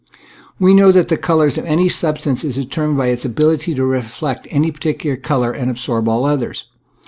We know that the color of any substance is determined by its ability to reflect any par ticular color and absorb all others.